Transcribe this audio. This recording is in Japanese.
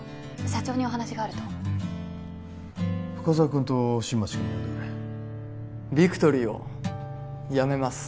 社長にお話があると深沢君と新町君も呼んでくれビクトリーをやめます